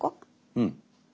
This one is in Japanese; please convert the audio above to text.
うん。